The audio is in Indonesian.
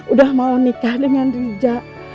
udah mau nikah dengan rija